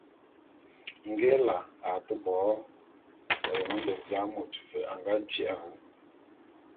Nge Ela a to bo ôyôm mbiebian môt, ve a nga ji’a wu.